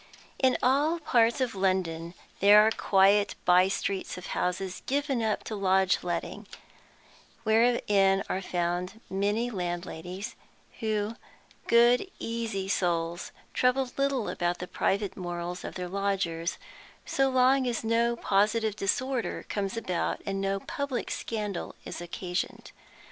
In all parts of London there are quiet by streets of houses given up to lodging letting, wherein are to be found many landladies, who, good easy souls, trouble little about the private morals of their lodgers, so long as no positive disorder comes about and no public scandal is occasioned.